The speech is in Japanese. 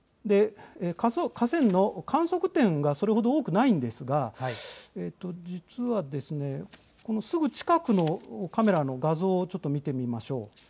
河川の観測点がそれほど多くないんですが、実はですね、このすぐ近くのカメラの画像をちょっと見てみましょう。